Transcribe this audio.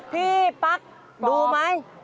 พี่ปั๊กดูไหม